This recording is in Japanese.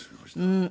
うん。